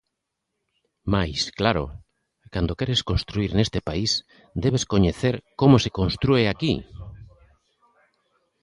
Mais, claro, cando queres construír neste país debes coñecer como se constrúe aquí.